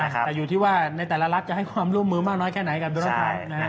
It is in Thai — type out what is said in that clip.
แต่อยู่ที่ว่าในแต่ละรัฐจะให้ความร่วมมือมากน้อยแค่ไหนกับโดนัลดทรัล